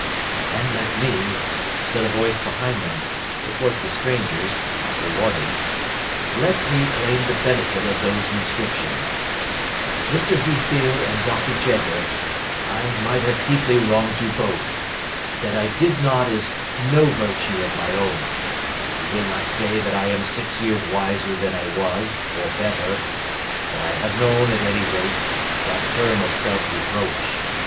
'And let me,' said a voice behind them; it was the stranger's—Michael Warden's; 'let me claim the benefit of those inscriptions. Mr. Heathfield and Dr. Jeddler, I might have deeply wronged you both. That I did not, is no virtue of my own. I will not say that I am six years wiser than I was, or better. But I have known, at any rate, that term of self reproach.